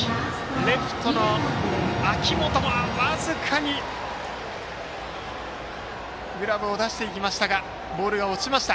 レフトの秋元グラブを出していきましたが僅かにボールが落ちました。